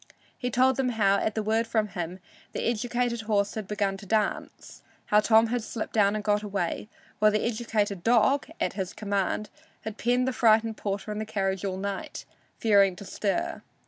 He told them how, at the word from him, the educated horse had begun to dance; how Tom had slipped down and got away, while the educated dog, at his command, had penned the frightened porter in the carriage all night, fearing to stir.